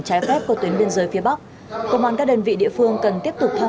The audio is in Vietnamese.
trái phép qua tuyến biên giới phía bắc công an các đơn vị địa phương cần tiếp tục tham